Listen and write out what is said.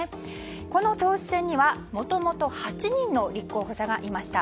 この党首選にはもともと８人の立候補者がいました。